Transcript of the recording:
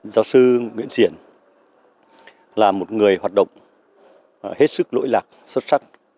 giáo sư nguyễn xiển là một người hoạt động hết sức lỗi lạc